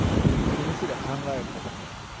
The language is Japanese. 貧すりゃ考える。